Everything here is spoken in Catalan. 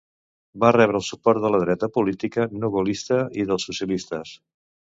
Va rebre el suport de la Dreta política no gaullista i dels socialistes.